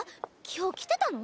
今日来てたの？